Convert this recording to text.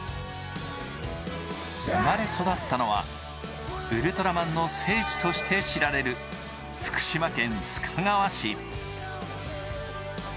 生まれ育ったのはウルトラマンの聖地として知られる福岡県須賀川市。